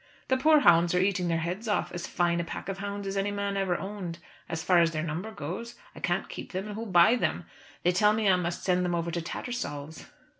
The poor hounds are eating their heads off; as fine a pack of hounds as any man ever owned, as far as their number goes. I can't keep them, and who'll buy them? They tell me I must send them over to Tattersall's.